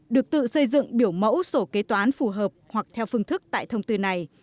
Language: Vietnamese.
được tự xây dựng biểu mẫu sổ kế toán phù hợp hoặc theo phương thức tại thông tư này